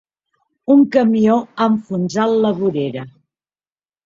Un camió ha enfonsat la vorera.